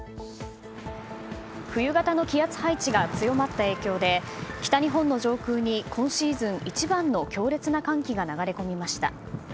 冬型の気圧配置が強まった影響で北日本の上空に今シーズン一番の強烈な寒気が流れ込みました。